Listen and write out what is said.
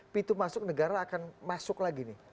pintu masuk negara akan masuk lagi nih